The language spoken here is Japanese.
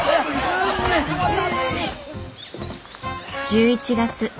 １１月。